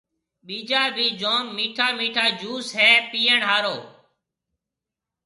ٻيجا ڀِي جوم مِٺا مِٺا جوُس هيَ پِئيڻ هاورن۔